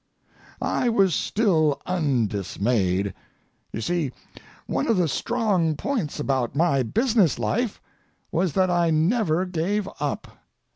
I was still undismayed. You see, one of the strong points about my business life was that I never gave up.